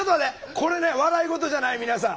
これ笑い事じゃない皆さん。